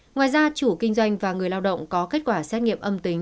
ngoài ra chủ kinh doanh và người lao động có kết quả xét nghiệm âm tính